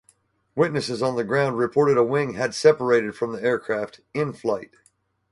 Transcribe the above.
Witnesses on the ground reported a wing had separated from the aircraft in flight.